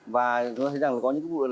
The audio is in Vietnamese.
và chúng tôi thấy rằng có những vụ